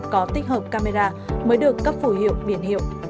có tích hợp camera mới được cấp phủ hiệu biển hiệu